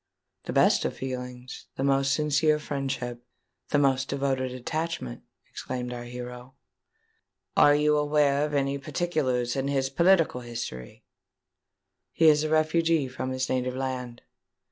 "The best feelings—the most sincere friendship—the most devoted attachment," exclaimed our hero. "Are you aware of any particulars in his political history?" "He is a refugee from his native land."